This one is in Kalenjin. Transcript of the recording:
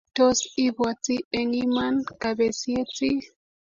Tos ibwoti eng' iman kapesyet ii?